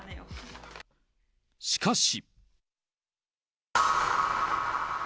しかし。